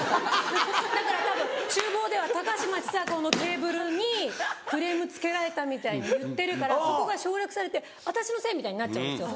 だからたぶん厨房では高嶋ちさ子のテーブルにクレームつけられたみたいに言ってるからそこが省略されて私のせいみたいになっちゃうんですよ。